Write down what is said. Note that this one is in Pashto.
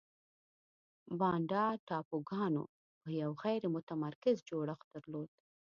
بانډا ټاپوګانو یو غیر متمرکز جوړښت درلود.